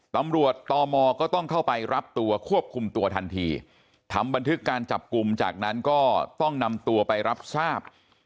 ตำรวจตมก็ต้องเข้าไปรับตัวควบคุมตัวทันทีทำบันทึกการจับกลุ่มจากนั้นก็ต้องนำตัวไปรับทราบ